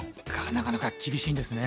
なかなか厳しいんですね。